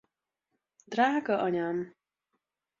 Drága Anyám!